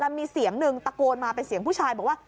มีเสียงหนึ่งตะโกนมาเป็นเสียงผู้ชายบอกว่า